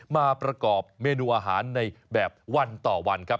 มาประกอบเมนูอาหารในแบบวันต่อวันครับ